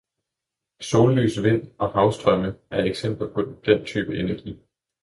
Sollys, vind og havstrømme er eksempler på den type energi.